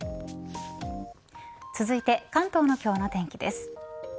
続いて関東の今日の天気です。